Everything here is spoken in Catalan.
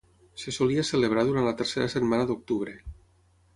Se solia celebrar durant la tercera setmana d'octubre.